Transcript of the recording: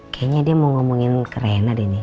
kayanya dia mau ngomongin ke rena deh nih